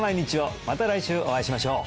また来週お会いしましょう